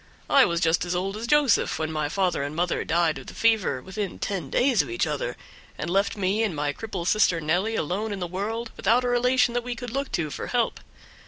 I was just as old as Joseph when my father and mother died of the fever within ten days of each other, and left me and my cripple sister Nelly alone in the world, without a relation that we could look to for help.